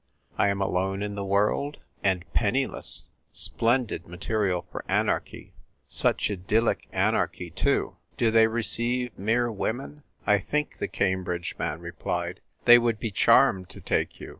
I am alone in the world, and penniless — splendid material for anarchy. Such idyllic anarch}^, too ! Do they receive mere women ?"" I think," the Cambridge man replied, "they would be charmed to take you.